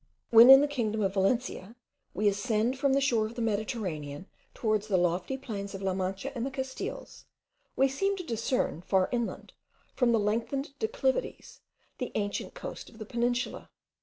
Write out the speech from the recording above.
When, in the kingdom of Valencia, we ascend from the shore of the Mediterranean towards the lofty plains of La Mancha and the Castiles, we seem to discern, far inland, from the lengthened declivities, the ancient coast of the Peninsula.